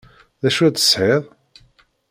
D acu ay d-tesɣid?